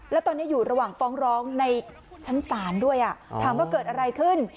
แล้วตอนนี้อยู่ระหว่างฟ้องร้องในชั้นศาลด้วยถามว่าเกิดอะไรขึ้น